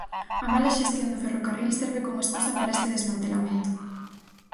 A mala xestión do ferrocarril serve como escusa para este desmantelamento.